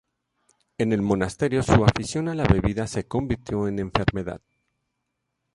En el monasterio su afición a la bebida se convirtió en enfermedad.